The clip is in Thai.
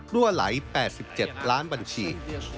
รั่วไหล๘๗ล้านบัญชี